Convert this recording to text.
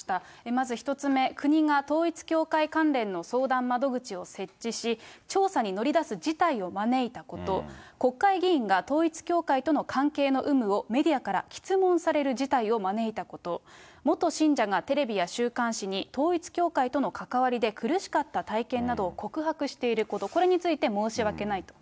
まず１つ目、国が統一教会関連の相談窓口を設置し、調査に乗り出す事態を招いたこと、国会議員が統一教会との関係の有無をメディアから詰問される事態を招いたこと、元信者がテレビや週刊誌に統一教会との関わりで苦しかった体験などを告白していること、これについて申し訳ないと。